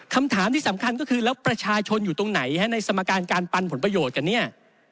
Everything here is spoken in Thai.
คำถามที่สำคัญก็คือแล้วประชาชนอยู่ตรงไหนฮะในสมการการปันผลประโยชน์กันเนี่ย